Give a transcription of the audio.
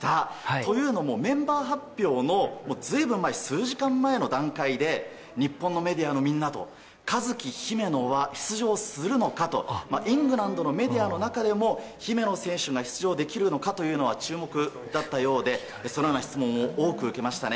というのも、メンバー発表の数時間前の段階で日本のメディアのみんなとカズキ・ヒメノは出場するのかとイングランドのメディアの中でも姫野選手は出場できるのかというのは注目だったようでそのような質問を多く受けました。